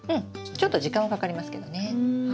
ちょっと時間はかかりますけどね。